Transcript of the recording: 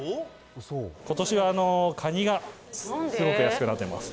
ことしはカニがすごく安くなってます。